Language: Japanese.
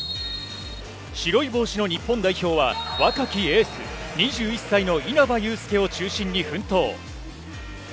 白い帽子の日本代表は、若きエース、２１歳の稲場悠介を中心に奮闘。